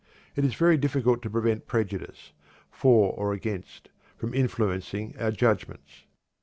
It is very difficult to prevent prejudice, for or against, from influencing our judgments.